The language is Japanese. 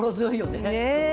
ねえ。